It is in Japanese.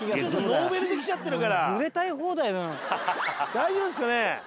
大丈夫っすかね？